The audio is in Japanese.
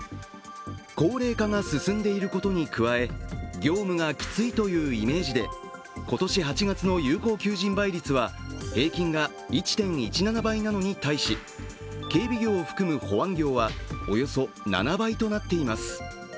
高齢化が進んでいることに加え業務がきついというイメージで今年８月の有効求人倍率は平均が１．１７倍なのに対し、警備業を含む保安業は、およそ７倍となっています。